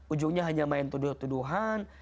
ujungnya hanya main tuduhan